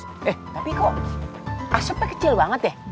eh tapi kok asapnya kecil banget ya